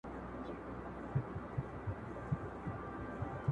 د زړه څخهه لیکل کوم